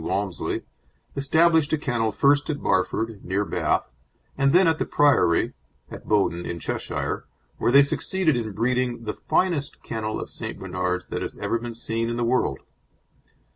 Walmsley, established a kennel first at Barford, near Bath, and then at The Priory, at Bowden, in Cheshire, where they succeeded in breeding the finest kennel of St. Bernards that has ever been seen in the world.